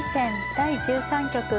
第１３局。